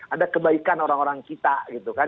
ada kebaikan orang orang kita gitu kan